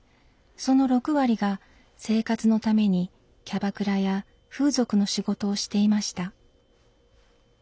その６割が生活のためにキャバクラや風俗の仕事をしていました。